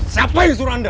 siapa yang suruh anda